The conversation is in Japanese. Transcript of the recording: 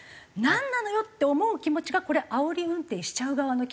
なんなのよって思う気持ちがこれあおり運転しちゃう側の気持ちなんだろうなと。